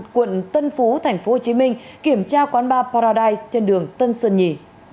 quận tân phú thành phố hồ chí minh kiểm tra quán bar paradise trên đường tân sơn nhì